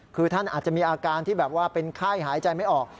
คือท่านอาจจะมีอาการที่แบบว่าเป็นไข้หายใจไม่ออก